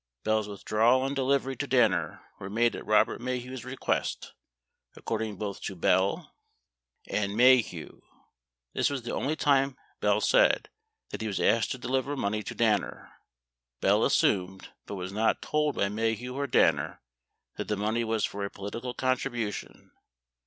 Bell's withdrawal and delivery to Danner were made at Robert Maheu's request, accord ing both to Bell 61 and Maheu. 82 This was the only time, Bell said, that he was asked to deliver money to Danner. Bell assumed, but was not told by Maheu or Danner, that the money was for a political contribu tion.